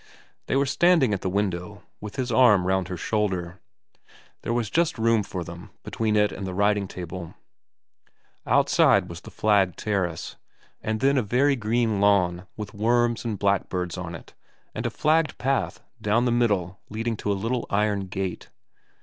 They were standing at the window, with his arm round her shoulder. There was just room for them between it and the writing table. Outside was the 190 VERA xvn flagged terrace, and then a very green lawn with worms and blackbirds on it and a flagged path down the middle leading to a little iron gate.